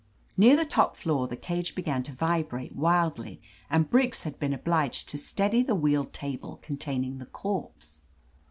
Near the top floor the cage began to vibrate wildly and Briggs had been obliged to steady the wheeled table containing the corpse.